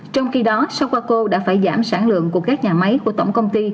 trong khi đó socaco đã phải giảm sản lượng của các nhà máy của tổng công ty